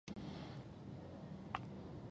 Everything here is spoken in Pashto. دوی د باران او واورې اټکل کوي.